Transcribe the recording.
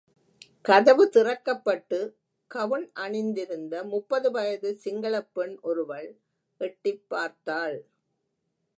கதவு திறக்கப்பட்டு, கவுண் அணிந்திருந்த முப்பது வயதுச் சிங்களப் பெண் ஒருவள் எட்டிப் பார்த்தாள்.